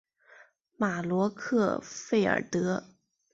马罗克弗尔德。